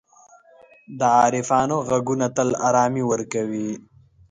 د عارفانو ږغونه تل آرامي ورکوي.